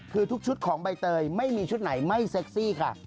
คือทุกชุดของใบเตยไม่มีชุดไหนไม่เซ็กซี่ค่ะ